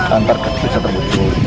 antar ke situ bisa terbukti